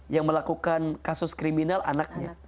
yang melakukan kasus kriminal anaknya